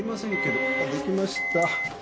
あっできました。